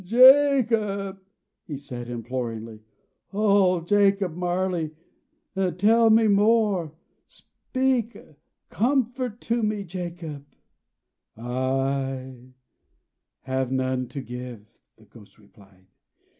"Jacob," he said imploringly. "Old Jacob Marley, tell me more. Speak comfort to me, Jacob!" "I have none to give," the Ghost replied.